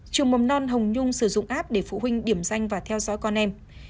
trường mầm non hồng nhung sử dụng app để phụ huynh điểm danh và theo dõi con em